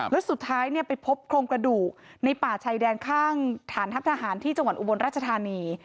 แล้วสุดท้ายไปพบโครงกระดูกในป่าชายแดนข้างฐานทัพทหารที่จังหวัดอุบลราชธานี